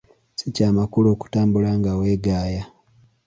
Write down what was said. Si kya makulu okutambuala nga weegaaya.